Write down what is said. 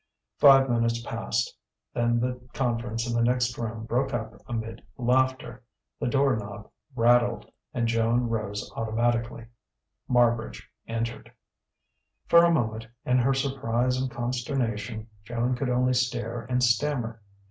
Five minutes passed. Then the conference in the next room broke up amid laughter; the doorknob rattled; and Joan rose automatically. Marbridge entered. For a moment, in her surprise and consternation, Joan could only stare and stammer.